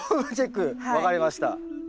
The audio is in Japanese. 分かりました。